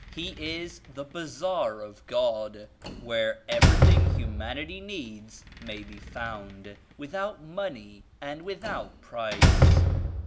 He is the ^Bazaar' of God, where everything humanity needs may be found without money and without price.